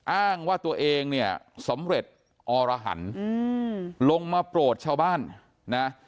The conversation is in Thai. อ้างว่าตัวเองเนี่ยสำเร็จอรหันลงมาโปรดชาวบ้านนะ